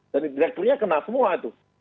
dan direkturnya kena semua itu